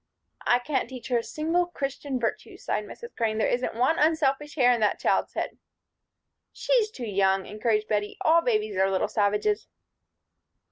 "I can't teach her a single Christian virtue," sighed Mrs. Crane. "There isn't one unselfish hair in that child's head." "She's too young," encouraged Bettie. "All babies are little savages."